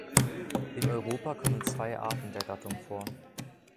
In Europa kommen zwei Arten der Gattung vor.